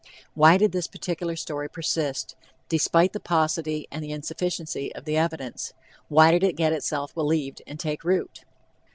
Why did this particular story persist, despite the paucity and the insufficiency of the evidence? Why did it get itself believed and take root?"